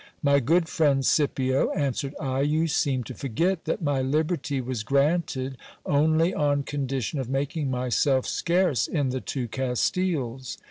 My good friend Scipio, answered I, you seem to forget that my liberty was granted only on condition of making myself scarce in the two Castiles.